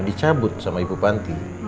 dicabut sama ibu panti